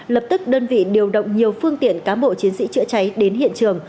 lập tức đơn vị điều động nhiều phương tiện cám bộ chiến sĩ chữa cháy đến hiện trường